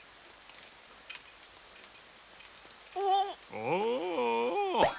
おお。